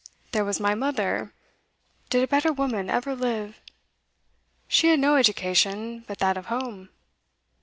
There was my mother, did a better woman ever live? She had no education but that of home.